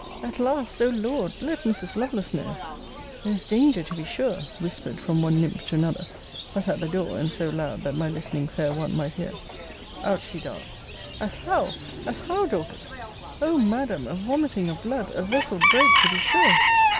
At last, O Lord! let Mrs. Lovelace know! There is danger, to be sure! whispered from one nymph to another; but at the door, and so loud, that my listening fair one might hear. Out she darts As how! as how, Dorcas! O Madam A vomiting of blood! A vessel broke, to be sure!